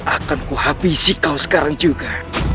akan kuhabisi kau sekarang juga